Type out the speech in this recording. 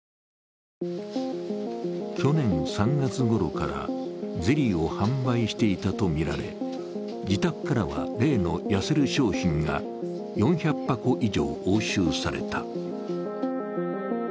去年３月ごろから、ゼリーを販売していたとみられ、自宅からは、例の痩せる商品が４００箱以上押収された。